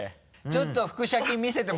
ちょっと。